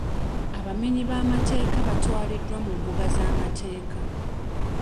Abamenyi b'amateeka batwaliddwa mu mbuga z'amateeka